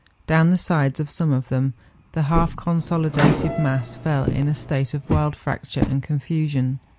Down the sides of some of them the half consolidated mass fell in a state of wild fracture and confusion.